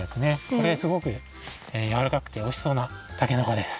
これすごくやわらかくておいしそうなたけのこです。